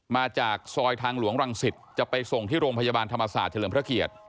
มาจากซอยทางหลวงรังสิตจะไปส่งที่โรงพยาบาลธรรมศาสตร์เฉลิมพระเกียรติ